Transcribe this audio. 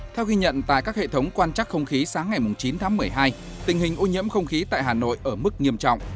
theo ghi nhận tại các hệ thống quan trắc không khí sáng ngày chín tháng một mươi hai tình hình ô nhiễm không khí tại hà nội ở mức nghiêm trọng